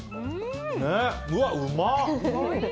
うわ、うまっ！